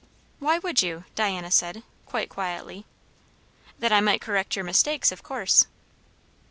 "Why would you?" Diana said, quite quietly. "That I might correct your mistakes, of course."